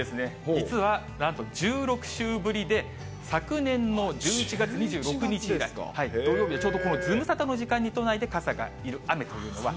実は、なんと１６週ぶりで、昨年の１１月２６日以来、土曜日で、ちょうどこのズムサタの時間で、都内で傘がいる雨というのは、